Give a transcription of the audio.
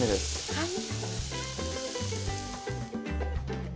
はい。